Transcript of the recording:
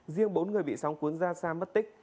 riêng bốn người bị sóng cuốn ra xa mất tích